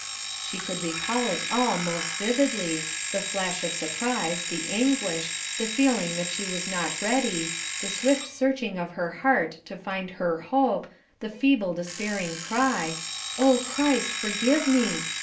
She could recall it all most vividly, the flash of surprise, the anguish, the feeling that she was not ready, the swift searching of her heart to find her hope, the feeble despairing cry, Oh Christ, forgive me!